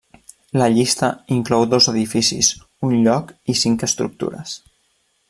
La llista inclou dos edificis, un lloc, i cinc estructures.